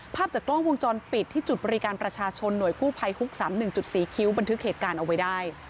ภาพจากกล้องวงจรปิดที่จุดบริการประชาชนหน่วยกู้ภัยฮุก๓๑๔คิ้วบันทึกเหตุการณ์เอาไว้ได้